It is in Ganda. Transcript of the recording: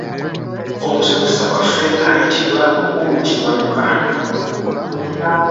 Omusomesa waffe ayitibwa Mukulu Kiwanuka.